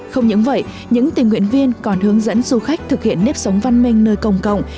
không những vậy những tình nguyện viên còn hướng dẫn du khách thực hiện nếp sống văn minh nơi công cộng